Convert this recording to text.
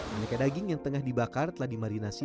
aneka daging yang tengah dibakar telah dimarinasi